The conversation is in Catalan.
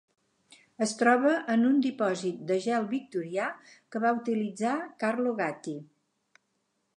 Es troba en un dipòsit de gel victorià que va utilitzar Carlo Gatti.